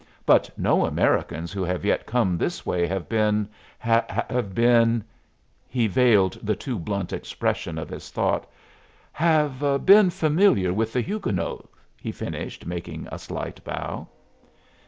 "But no Americans who have yet come this way have been have been" he veiled the too blunt expression of his thought "have been familiar with 'The Huguenots,'" he finished, making a slight bow.